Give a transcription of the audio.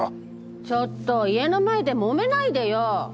ちょっと家の前でもめないでよ。